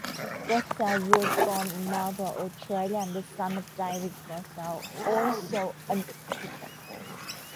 Godsell was born in Melbourne, Australia, the son of David Godsell, also an architect.